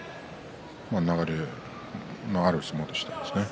流れのある相撲でしたね。